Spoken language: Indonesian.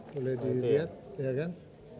boleh dilihat ya kan